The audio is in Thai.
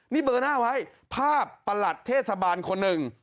นี่เบอร์หน้าไว้ภาพประหลัดเทศบาลคนหนึ่ง